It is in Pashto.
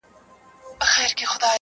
په خندا کي به ناڅاپه په ژړا سي-